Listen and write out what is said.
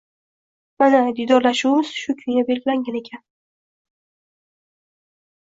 Mana, diydorlashuvimiz shu kunga belgilangan ekan